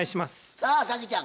さあ早希ちゃん